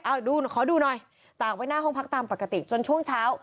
เอาดูขอดูหน่อยตากไว้หน้าห้องพักตามปกติจนช่วงเช้า